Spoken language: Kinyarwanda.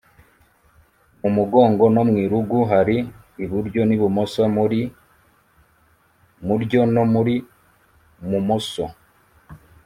mu mugongo no mw’irugu); hari “iburyo n’ibumoso” (muri muryo no muri mumoso